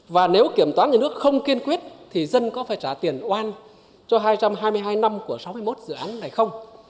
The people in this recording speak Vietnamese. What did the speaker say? và nếu kiểm toán nhà nước không kiên quyết thì dân có phải trả tiền oan cho hai trăm hai mươi hai năm của sáu mươi một dự án này không